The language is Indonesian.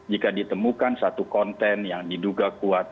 jika ditemukan satu konten yang diduga kuat